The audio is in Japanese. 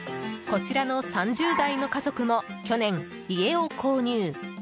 こちらの３０代の家族も去年、家を購入。